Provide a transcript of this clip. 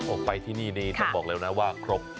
ออกไปที่นี่นี่ต้องบอกเร็วนะว่าครบ